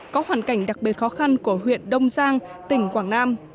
có hoàn cảnh đặc biệt khó khăn của huyện đông giang tỉnh quảng nam